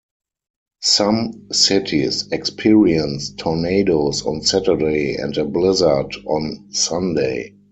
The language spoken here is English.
Some cities experienced tornadoes on Saturday and a blizzard on Sunday.